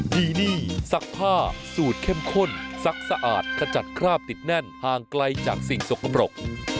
ดีนี่ซักผ้าสูตรเข้มข้นซักสะอาดขจัดคราบติดแน่นห่างไกลจากสิ่งสกปรก